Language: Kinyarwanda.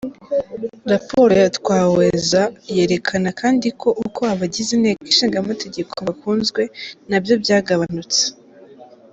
Raporo ya Twaweza yerekana kandi ko uko abagize Inteko Ishinga Amategeko bakunzwe nabyo byagabanutse.